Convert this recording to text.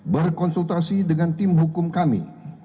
berkonsultasi dengan tim hukum kami